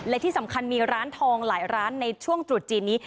และที่สำคัญมีร้านทองหลายร้านในช่วงตรุษจีนนี้